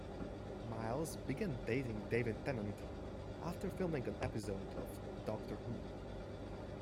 Myles began dating David Tennant after filming an episode of "Doctor Who".